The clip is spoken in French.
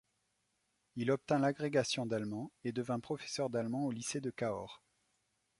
Il obtint l'agrégation d'allemand et devint professeur d'allemand au lycée de Cahors.